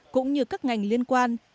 cũng như các ngành liên quan